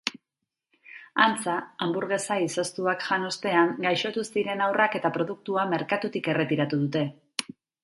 Antza hanburgesa izoztuak jan ostean gaixotu ziren haurrak eta produktua merkatutik erretiratu dute.